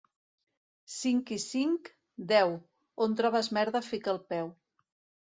Cinc i cinc? / —Deu. / —On trobes merda fica el peu.